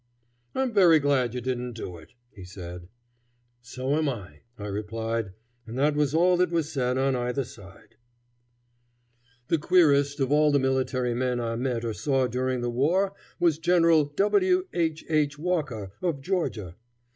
"I'm very glad you didn't do it," he said. "So am I," I replied; and that was all that was said on either side. The queerest of all the military men I met or saw during the war was General W. H. H. Walker, of Georgia.